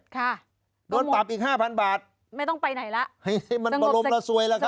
ค่ะโดนปรับอีกห้าพันบาทไม่ต้องไปไหนละให้มันบรมระซวยแล้วครับ